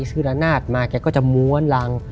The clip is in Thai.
ซื้อละนาดมาแกก็จะม้วนรัง